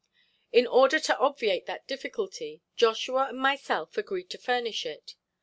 In order to obviate that difficulty Joshua and myself agreed to furnish it.